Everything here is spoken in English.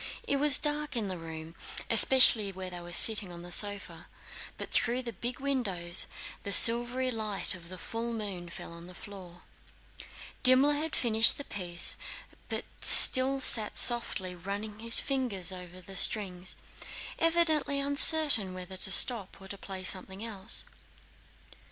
It was dark in the room especially where they were sitting on the sofa, but through the big windows the silvery light of the full moon fell on the floor. Dimmler had finished the piece but still sat softly running his fingers over the strings, evidently uncertain whether to stop or to play something else.